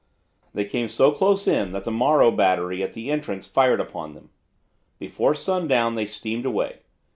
They came so close in that the Morro battery at the entrance fired upon them. Before sundown they steamed away.